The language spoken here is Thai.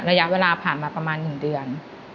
ระยะเวลาผ่านมาประมาณ๑เดือน